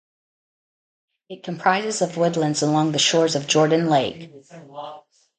It comprises of woodlands along the shores of Jordan Lake.